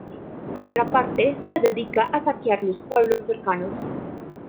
Otra parte se dedica a saquear los pueblos cercanos.